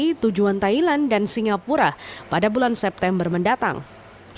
kementerian pertanian optimis mulai tahun dua ribu tujuh belas volume ekspor bawang merah akan ditambah sepuluh kontainer lagi